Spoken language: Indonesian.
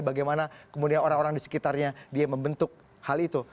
bagaimana kemudian orang orang di sekitarnya dia membentuk hal itu